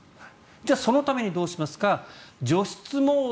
じゃあ、そのためにどうしますか。